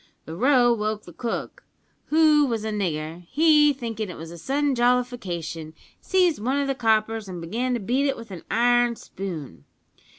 The row woke the cook, who was a nigger; he, thinkin' it was a sudden jollification, seized one o' the coppers an' began to beat it with an iron spoon.